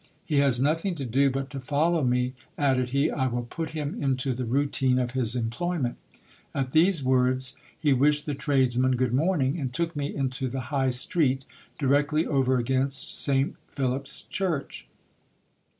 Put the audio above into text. He has nothing to do but to follow me, added he, I will put him into the routine of his employment. At these words he wished the tradesman good morning, and took me into the High street, directly over against St Philip's church.